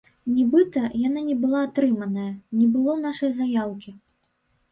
Нібыта, яна не была атрыманая, не было нашай заяўкі.